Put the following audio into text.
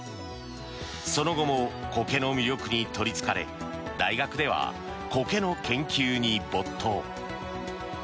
その後もコケの魅力に取りつかれ大学ではコケの研究に没頭。